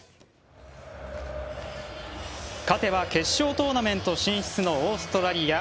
勝てば決勝トーナメント進出のオーストラリア。